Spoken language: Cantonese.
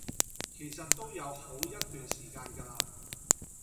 其實都有好一段時間架喇